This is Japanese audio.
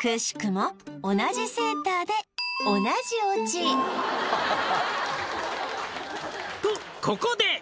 くしくも同じセーターで「とここで！」